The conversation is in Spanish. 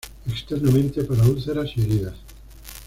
Externamente para úlceras y heridas.